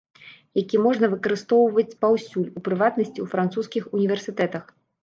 Які можна выкарыстоўваць паўсюль, у прыватнасці ў французскіх універсітэтах.